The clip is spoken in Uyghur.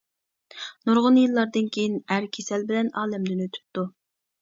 نۇرغۇن يىللاردىن كېيىن ئەر كېسەل بىلەن ئالەمدىن ئۆتۈپتۇ.